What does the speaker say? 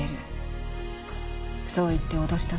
そう言って脅したの。